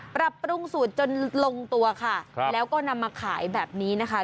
ปรับปรุงสูตรจนลงตัวค่ะแล้วก็นำมาขายแบบนี้นะคะ